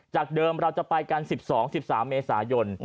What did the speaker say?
เดิมเราจะไปกัน๑๒๑๓เมษายน